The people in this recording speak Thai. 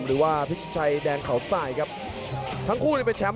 หรือว่าพิชิชัยแดงเขาทรายครับ